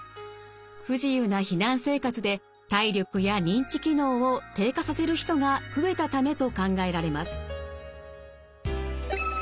不自由な避難生活で体力や認知機能を低下させる人が増えたためと考えられます。